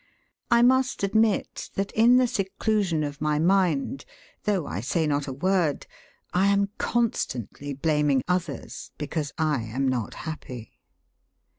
I must admit that in the seclusion of my mind, though I say not a word, I am constantly blaming others because I am not happy.